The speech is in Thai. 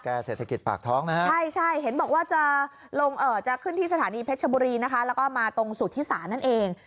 แก่เศรษฐกิจปากท้องนะครับใช่เห็นบอกว่าจะลงจะขึ้นที่สถานีเพชรบุรีนะคะแล้วก็มาตรงสูตรที่สานั่นเอง